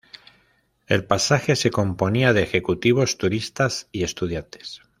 El pasaje se componía de ejecutivos, turistas, y estudiantes.